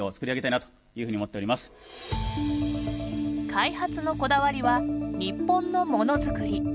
開発のこだわりは日本のものづくり。